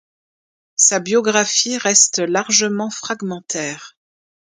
Sa biographie reste largement fragmentaire.